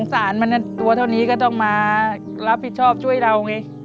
สารมันตัวเท่านี้ก็ต้องมารับผิดชอบช่วยเราไง